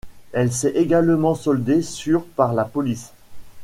Elle s'est également soldée sur par la police.